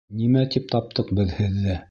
Нимә тип таптыҡ беҙ һеҙҙе?